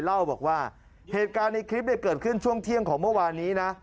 เล่าบอกว่าเหตุการณ์ในคลิปเกิดขึ้นช่วงเที่ยงของเมื่อวานนี้นะ